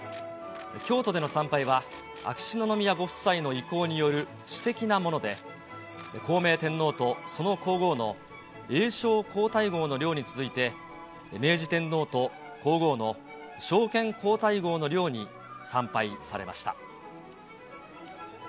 京都での参拝は、秋篠宮ご夫妻の意向による私的なもので、孝明天皇とその皇后の英照皇太后の陵に続いて、明治天皇と皇后の昭憲皇太后の陵に参拝されました。